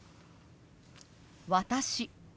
「私」。